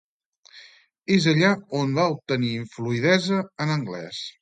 És allà on va obtenir fluïdesa en anglès.